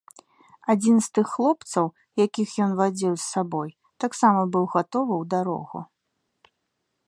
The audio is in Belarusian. Адзін з тых хлопцаў, якіх ён вадзіў з сабой, таксама быў гатовы ў дарогу.